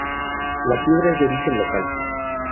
La piedra es de origen local.